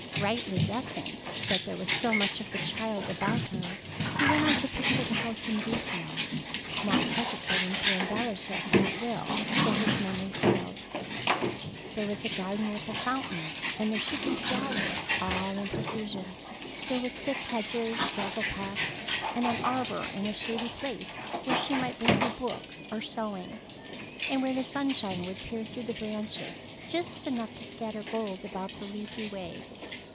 Rightly guessing that there was still much of the child about her, he went on to picture the house in detail, not hesitating to embellish it at will where his memory failed. There was a garden with a fountain, and there should be flowers, all in profusion. There were clipped hedges, gravel paths, an arbor in a shady place, where she might bring her book or sewing, and where the sunshine would peer through the branches just enough to scatter gold about the leafy way.